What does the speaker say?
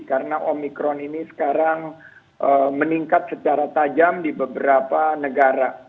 karena omikron ini sekarang meningkat secara tajam di beberapa negara